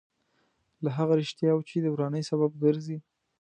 له هغه رښتیاوو چې د ورانۍ سبب ګرځي.